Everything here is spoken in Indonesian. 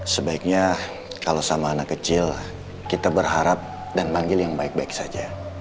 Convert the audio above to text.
sebaiknya kalau sama anak kecil kita berharap dan manggil yang baik baik saja